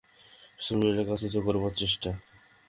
শর্মিলাকে আশ্চর্য করবার চেষ্টা।